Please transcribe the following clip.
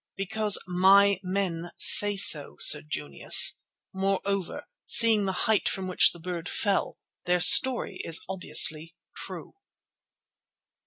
"Because my men say so, Sir Junius; moreover, seeing the height from which the bird fell, their story is obviously true."